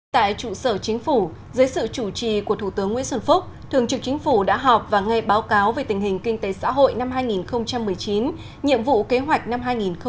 tại trụ sở chính phủ dưới sự chủ trì của thủ tướng nguyễn xuân phúc thường trực chính phủ đã họp và nghe báo cáo về tình hình kinh tế xã hội năm hai nghìn một mươi chín nhiệm vụ kế hoạch năm hai nghìn hai mươi